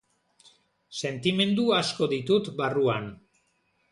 Sentimendu asko ditut barruan.